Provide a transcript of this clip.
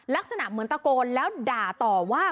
ลักษณะเหมือนตะโกนแล้วด่าต่อว่า